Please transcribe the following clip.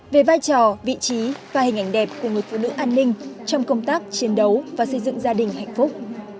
về vai trò vị trí và hình ảnh đẹp của người phụ nữ an ninh trong công tác chiến đấu và xây dựng gia đình hạnh phúc